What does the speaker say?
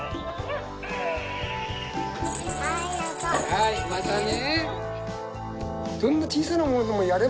はいまたね。